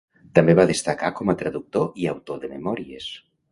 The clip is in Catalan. També va destacar com a traductor i autor de memòries.